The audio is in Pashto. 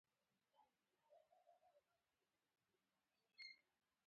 دا انرژي د کار او تودوخې لپاره ده.